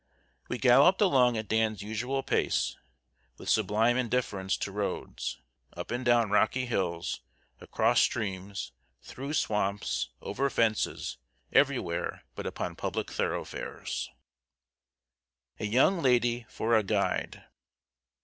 We galloped along at Dan's usual pace, with sublime indifference to roads up and down rocky hills, across streams, through swamps, over fences everywhere but upon public thoroughfares. [Sidenote: A YOUNG LADY FOR A GUIDE.